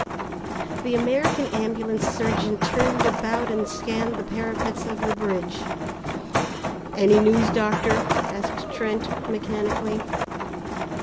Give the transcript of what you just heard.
The American Ambulance surgeon turned about and scanned the parapets of the bridge. "Any news, Doctor," asked Trent mechanically.